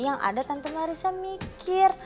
yang ada tante marisa mikir